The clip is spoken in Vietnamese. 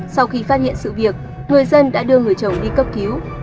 sau khi phát hiện sự việc người dân đã đưa người chồng đi cấp cứu